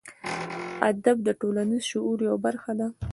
ادب د ټولنیز شعور یوه برخه ده.